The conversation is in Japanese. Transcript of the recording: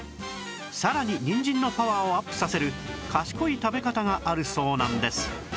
さらににんじんのパワーをアップさせる賢い食べ方があるそうなんです